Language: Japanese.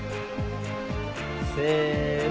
せの。